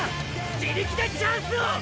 自力でチャンスを！